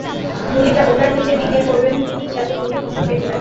গুলিটা ওটার নিচের দিকে করবেন তিনি, যাতে বুকে কিংবা পেটে লাগে।